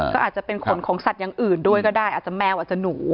ก็อาจจะเป็นขนของสัตว์อย่างอื่นด้วยก็ได้อาจจะแมวอาจจะหนู